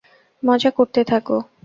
মজা করতে থাকো!